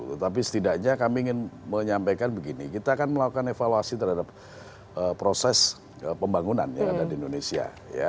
tetapi setidaknya kami ingin menyampaikan begini kita akan melakukan evaluasi terhadap proses pembangunan yang ada di indonesia